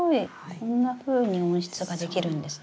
こんなふうに温室ができるんですね。